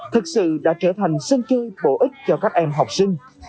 thực sự đã trở thành sân chơi bổ ích cho các em học sinh